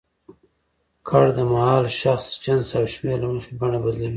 کړ د مهال، شخص، جنس او شمېر له مخې بڼه بدلوي.